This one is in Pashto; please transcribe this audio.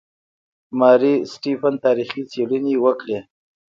ماري سټیفن تاریخي څېړنې وکړې.